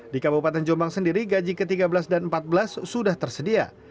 di kabupaten jombang sendiri gaji ke tiga belas dan ke empat belas sudah tersedia